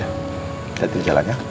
saya tidur jalan ya